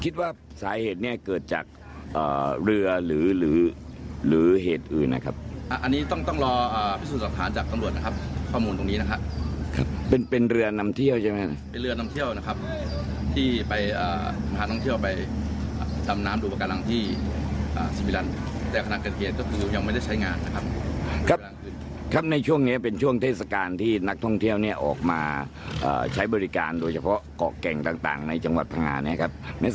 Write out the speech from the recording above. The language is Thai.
นักท่องเที่ยวนักท่องเที่ยวนักท่องเที่ยวนักท่องเที่ยวนักท่องเที่ยวนักท่องเที่ยวนักท่องเที่ยวนักท่องเที่ยวนักท่องเที่ยวนักท่องเที่ยวนักท่องเที่ยวนักท่องเที่ยวนักท่องเที่ยวนักท่องเที่ยวนักท่องเที่ยวนักท่องเที่ยวนักท่องเที่ยวนักท่องเที่ยวนักท่